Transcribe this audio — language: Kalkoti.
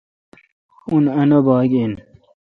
اُن انّا با گ آں